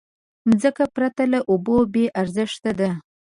مځکه پرته له اوبو بېارزښته ده.